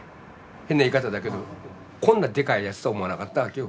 変な言い方だけどこんなでかいやつとは思わなかったわけよ。